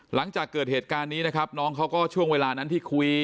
หลังจากเกิดเหตุการณ์นี้นะครับน้องเขาก็ช่วงเวลานั้นที่คุย